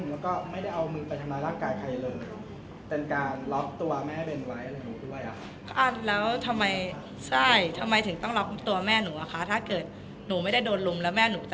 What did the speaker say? แล้วก็ไม่ได้เอามือไปทำร้ายร่างกายใครเลย